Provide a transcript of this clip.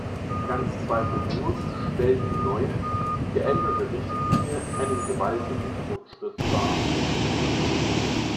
Ganz zweifellos stellt die neue, geänderte Richtlinie einen gewaltigen Fortschritt dar.